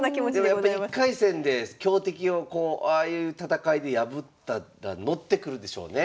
やっぱ１回戦で強敵をこうああいう戦いで破っただから乗ってくるでしょうね。